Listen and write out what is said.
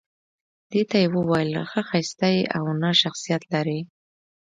دې ته يې وويل نه ښايسته يې او نه شخصيت لرې